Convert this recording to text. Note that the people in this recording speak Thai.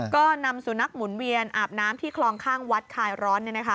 ก็นำสุนัขหมุนเวียนอาบน้ำที่คลองข้างวัดคลายร้อน